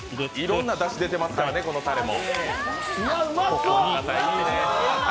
いろんなだし出てますからね、このたれも。